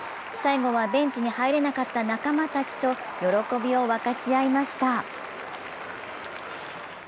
最後はベンチに入れなかった仲間たちと喜びを分かち合いました。